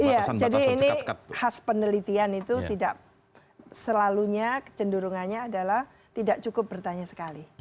iya jadi ini khas penelitian itu tidak selalunya kecenderungannya adalah tidak cukup bertanya sekali